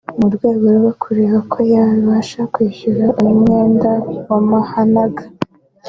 mu rwego rwo kureba ko yazabasha kwishyura uyu mwenda w’amahanaga